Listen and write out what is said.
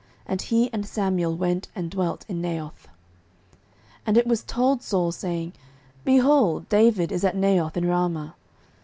And he and Samuel went and dwelt in Naioth. 09:019:019 And it was told Saul, saying, Behold, David is at Naioth in Ramah.